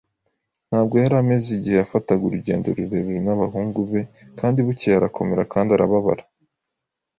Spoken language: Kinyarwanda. Ntabwo yari ameze igihe yafataga urugendo rurerure n'abahungu be, kandi bukeye arakomera kandi arababara.